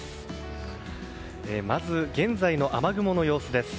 まず現在の雨雲の様子です。